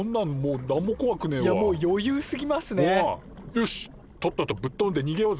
よしとっととぶっ飛んでにげようぜ。